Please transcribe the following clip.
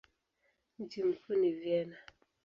Mji mkuu ni Vienna.